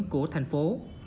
của thành phố